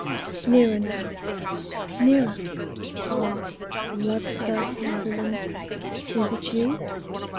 Nearer now, nearer Ah! bloodthirsty villain, Is 't you?